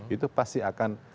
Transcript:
itu pasti akan ada